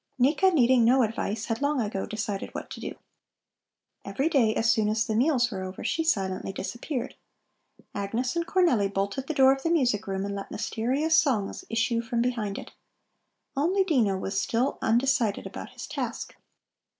Nika, needing no advice, had long ago decided what to do. Every day as soon as the meals were over, she silently disappeared. Agnes and Cornelli bolted the door of the music room and let mysterious songs issue from behind it. Only Dino was still undecided about his task.